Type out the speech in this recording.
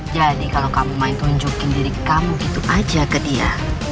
jadi kalau kamu main tunjukin diri kamu itu aja ke dia